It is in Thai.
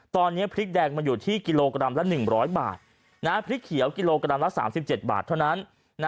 ตอนนี้พริกแดงมาอยู่ที่กิโลกรัมละ๑๐๐บาทพริกเขียวกิโลกรัมละ๓๗บาทเท่านั้น